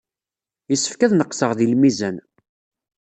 Yessefk ad neqseɣ deg lmizan.